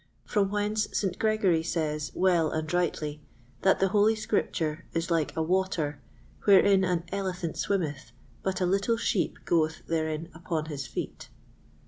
from whence St. Gregory says well and rightly, that the Holy Scripture is like a water, wherein an "elephant swimmeth, but a little sheep goeth therein upon his feet."